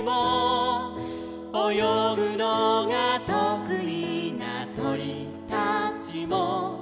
「およぐのがとくいなとりたちも」